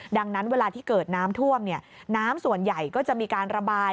ดังนั้นเวลาที่เกิดน้ำท่วมน้ำส่วนใหญ่ก็จะมีการระบาย